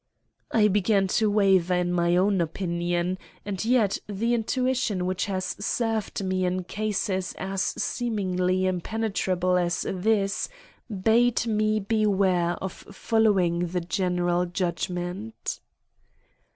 I began to waver in my own opinion, and yet the intuition which has served me in cases as seemingly impenetrable as this, bade me beware of following the general judgment.